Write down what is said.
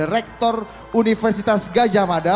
rektor universitas gajah mada